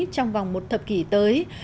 trong vòng một thập kỷ tới